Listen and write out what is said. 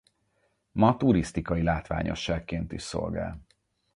Ma turisztikai látványosságként is szolgál.